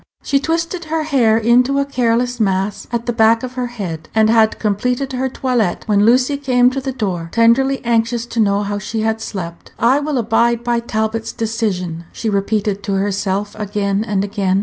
She twisted her hair into a careless mass at the back of her head, and had completed her toilet when Lucy came to the door, tenderly anxious to know how she had slept. "I will abide by Talbot's decision," she repeated to herself again and again.